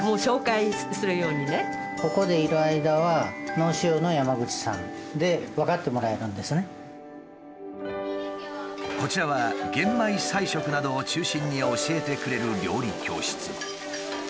大体こちらは玄米菜食などを中心に教えてくれる料理教室。